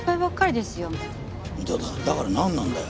だからなんなんだよ？